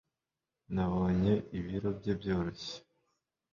nabonye ibiro bye byoroshye